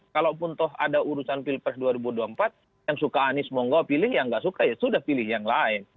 kalaupun toh ada urusan pilpres dua ribu dua puluh empat yang suka anies monggo pilih yang nggak suka ya sudah pilih yang lain